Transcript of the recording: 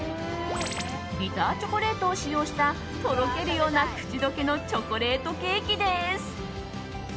ビターチョコレートを使用したとろけるような口溶けのチョコレートケーキです。